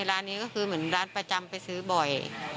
ร้านนี้ก็คือเหมือนร้านประจำไปซื้อบ่อย